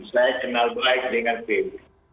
saya kenal baik dengan pb